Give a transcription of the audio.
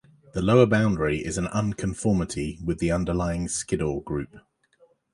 The lower boundary is an unconformity with the underlying Skiddaw Group.